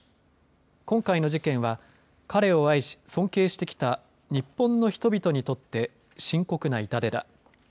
今回の事件は彼を愛し尊敬してきた日本の人々にとって深刻な痛手だ。